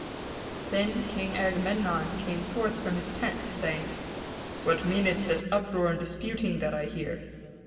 Then King Agamemnon came forth from his tent, saying: "What meaneth this uproar and disputing that I hear?"